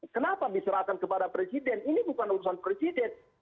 kenapa diserahkan kepada presiden ini bukan urusan presiden